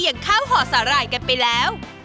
อย่างข้าวห่อสาหร่ายกันไปแล้ว